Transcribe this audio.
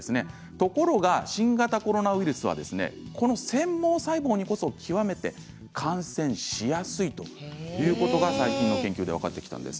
ところが新型コロナウイルスはこの繊毛細胞にこそ極めて感染しやすいということが最近の研究で分かってきたんです。